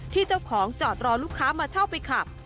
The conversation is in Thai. ที่เจ้าของจอดรอลูกค้ามาเช่าไปขับ